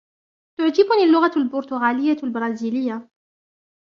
تعجبني اللغة البرتغالية البرازيلية.